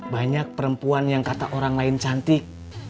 banyak perempuan yang kata orang lain cantik